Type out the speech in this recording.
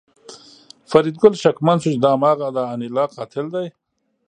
فریدګل شکمن شو چې دا هماغه د انیلا قاتل دی